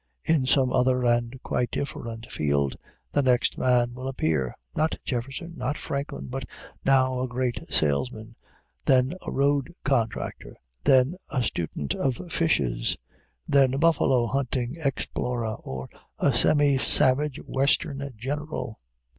In some other and quite different field, the next man will appear; not Jefferson, not Franklin, but now a great salesman; than a road contractor; then a student of fishes; then a buffalo hunting explorer, or a semi savage Western general.